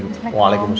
terima kasih banyak ya